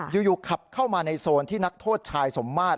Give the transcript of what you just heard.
อยู่ขับเข้ามาในโซนที่นักโทษชายสมมาตร